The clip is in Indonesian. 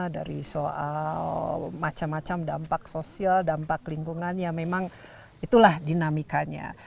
dari soal macam macam dampak sosial dampak lingkungan ya memang itulah dinamikanya